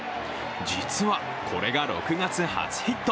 実は、これが６月初ヒット。